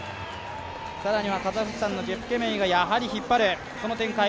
更にはカザフスタンのジェプケメイがやはり引っ張る展開。